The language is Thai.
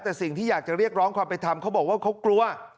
แต่สิ่งที่อยากจะเรียกร้องความเป็นธรรมเขาบอกว่าเขากลัว